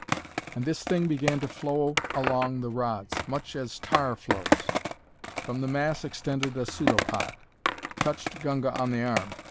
And this thing began to flow along the rods, much as tar flows. From the mass extended a pseudopod; touched Gunga on the arm.